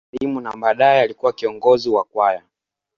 Alikuwa akifanya kazi ya ualimu na baadaye alikuwa kiongozi wa kwaya.